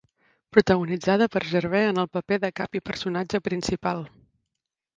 Protagonitzada per Gervais en el paper de cap i personatge principal.